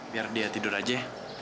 biar dia tidur aja